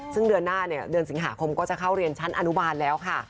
ซึ่งเดือนหน้าเนี่ยเดือนสิงหาคมก็จะเข้าเรียนชั้นอนุบาลแล้วค่ะ